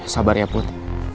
sabar ya put